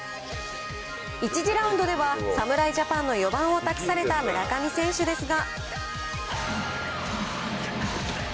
１次ラウンドでは、侍ジャパンの４番を託された村上選手ですが。